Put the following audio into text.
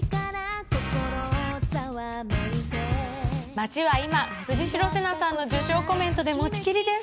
街は今藤代瀬那さんの受賞コメントで持ちきりです！